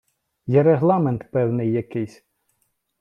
Є регламент певний якийсь.